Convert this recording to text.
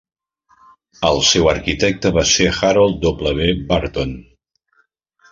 El seu arquitecte va ser Harold W. Burton.